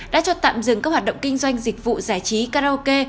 đã cho tạm dừng các hoạt động kinh doanh dịch vụ giải trí karaoke